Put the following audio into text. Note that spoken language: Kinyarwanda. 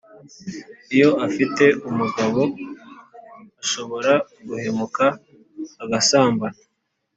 iyo afite umugabo, ashobora guhemuka agasambana,